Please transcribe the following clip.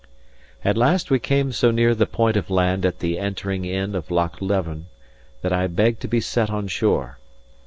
At last we came so near the point of land at the entering in of Loch Leven that I begged to be set on shore.